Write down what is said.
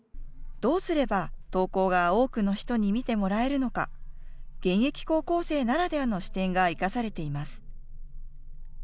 どうすれば、投稿が多くの人に見てもらえるのか、現役高校生ならではの視点が生かされています。